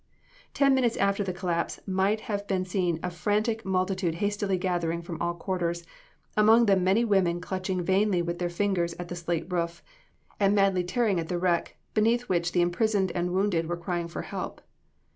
Ten minutes after the collapse might have been seen a frantic multitude hastily gathering from all quarters, among them many women clutching vainly with their fingers at the slate roof, and madly tearing at the wreck beneath which the imprisoned and wounded were crying for help.